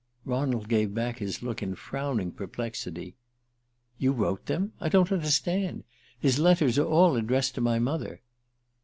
Ronald gave back his look in frowning perplexity. "You wrote them? I don't understand. His letters are all addressed to my mother."